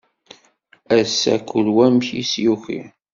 Ass-a kul wa amek i s-yuki.